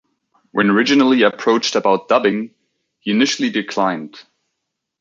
When originally approached about dubbing, he initially declined.